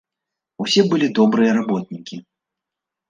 Усе былі добрыя работнікі.